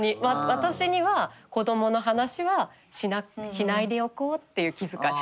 私には子どもの話はしないでおこうっていう気遣い。